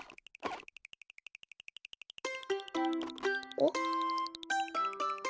おっ！